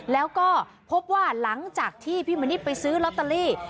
แล้วก็พบว่าหลังจากที่พี่มณิษฐ์ไปซื้อลอตเตอรี่